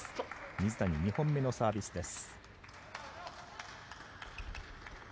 水谷２本目のサービスです。